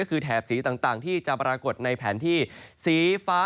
ก็คือแถบสีต่างที่จะปรากฏในแผนที่สีฟ้า